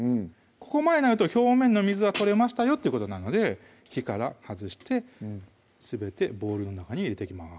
ここまでになると表面の水は取れましたよっていうことになるので火から外してすべてボウルの中に入れていきます